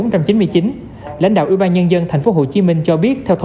thì cái việc mà f hai thành f một sau đó f một thành f